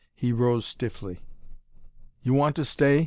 He rose stiffly. "You want to stay?"